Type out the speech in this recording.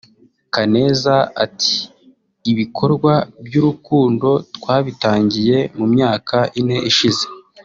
Kaneza ati “Ibikorwa by’urukundo twabitangiye mu myaka ine ishize